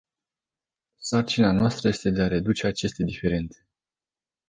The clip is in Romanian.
Sarcina noastră este de a reduce aceste diferențe.